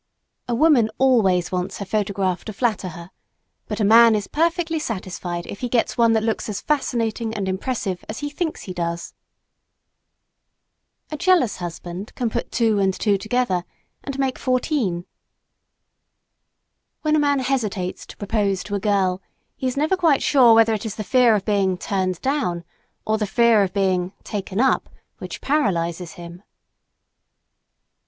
A woman always wants her photograph to flatter her, but a man is perfectly satisfied if he gets one that looks as fascinating and impressive as he thinks he does. A jealous husband can put two and two together and make fourteen. When a man hesitates to propose to a girl he is never quite sure whether it is the fear of being "turned down" or the fear of being "taken up" which paralyzes him.